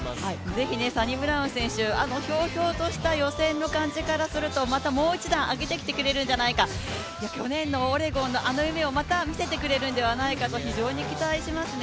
ぜひサニブラウン選手、ひょうひょうとした予選の感じからすると、またもう一段上げてきてくれるんじゃないか去年のオレゴンのあの夢を見せてくれるのではないかと非常に期待しますね。